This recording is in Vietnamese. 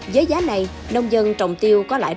với giá này nông dân trồng tiêu có lợi